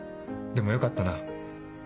でもよかったな。